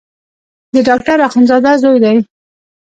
د ډاکټر اخندزاده زوی دی.